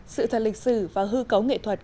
sự thật lịch sử và hư cấu nghệ thuật